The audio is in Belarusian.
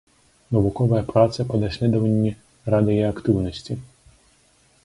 Навуковыя працы па даследаванні радыеактыўнасці.